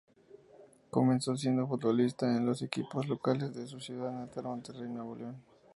Comenzó siendo futbolista en los equipos locales de su ciudad natal Monterrey, Nuevo León.